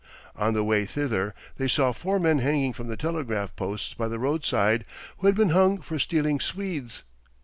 On the way thither they saw four men hanging from the telegraph posts by the roadside, who had been hung for stealing swedes.